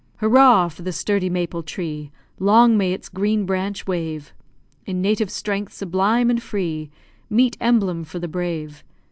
Hurrah! For the sturdy maple tree! Long may its green branch wave; In native strength sublime and free, Meet emblem for the brave.